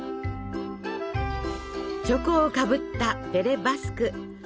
チョコをかぶったベレ・バスク。